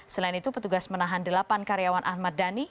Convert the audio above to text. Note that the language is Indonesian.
selain itu petugas menahan delapan karyawan ahmad dhani